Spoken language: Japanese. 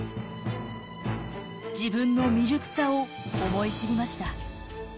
自分の未熟さを思い知りました。